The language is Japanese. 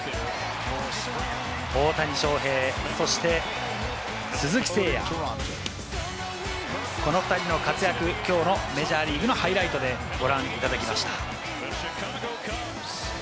大谷翔平、そして鈴木誠也、この２人の活躍、きょうのメジャーリーグのハイライトでご覧いただきました。